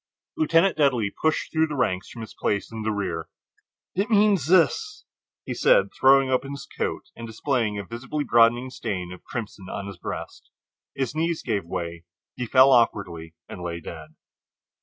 Lieutenant Dudley pushed through the ranks from his place in the rear. "It means this," he said, throwing open his coat and displaying a visibly broadening stain of crimson on his breast. His knees gave way; he fell awkwardly and lay dead.